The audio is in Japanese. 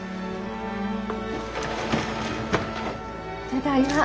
ただいま。